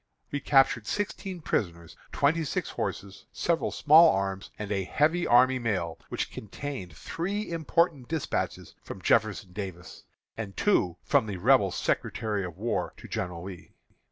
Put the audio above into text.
We captured sixteen prisoners, twenty six horses, several small arms, and a heavy army mail, which contained three important despatches from Jeff. Davis, and two from the Rebel Secretary of War to General Lee.